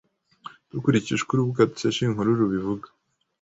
Dukurikije uko urubuga dukesha iyi nkuru rubivuga,